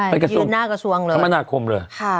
ไปกระทรวงธรรมนาคมเลย